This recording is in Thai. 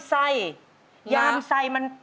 ที่พอจับกีต้าร์ปุ๊บ